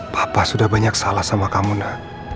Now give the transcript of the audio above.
papa sudah banyak salah sama kamu nak